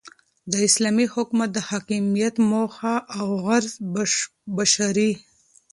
داسلامي حكومت دحاكميت موخه اوغرض بشري